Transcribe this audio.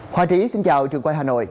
hòa trí xin chào trường quay hà nội